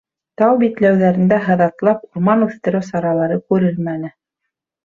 Тау битләүҙәрендә һыҙатлап урман үҫтереү саралары күрелмәне.